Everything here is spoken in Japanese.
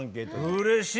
うれしい。